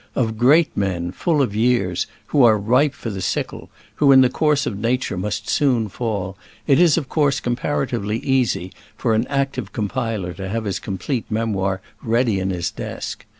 Of great men, full of years, who are ripe for the sickle, who in the course of Nature must soon fall, it is of course comparatively easy for an active compiler to have his complete memoir ready in his desk.